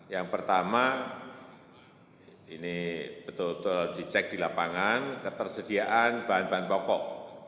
yang pertama ini betul betul dicek di lapangan ketersediaan bahan bahan pokok